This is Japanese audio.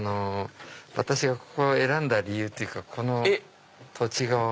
私がここを選んだ理由というかこの土地を。